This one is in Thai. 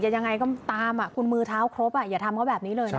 ยังไงก็ตามคุณมือเท้าครบอย่าทำเขาแบบนี้เลยนะคะ